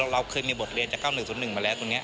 เราเคยมีบทเรียนจาก๙๑๐๑มาแล้วตรงนี้